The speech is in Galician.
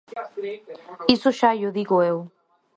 Iso xa llo digo eu.